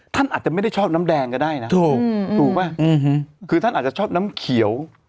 ท่านอาจจะไม่ได้ชอบน้ำแดงก็ได้นะถูกถูกป่ะคือท่านอาจจะชอบน้ำเขียว